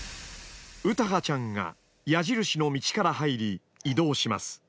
詩羽ちゃんが矢印の道から入り移動します。